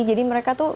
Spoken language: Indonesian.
jadi mereka tuh